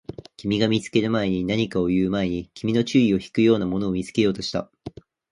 君が見つける前に、何かを言う前に、君の注意を引くようなものを見つけようとした